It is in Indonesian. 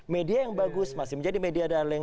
media yang bagus masih menjadi media darling